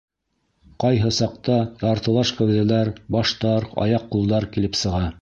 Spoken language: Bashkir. Ҡайһы саҡта яртылаш кәүҙәләр, баштар, аяҡ-ҡулдар килеп сыға.